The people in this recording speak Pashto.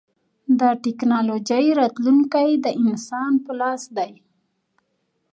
د ټکنالوجۍ راتلونکی د انسان په لاس دی.